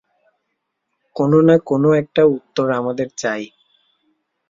কোন-না-কোন একটা উত্তর আমাদের চাই।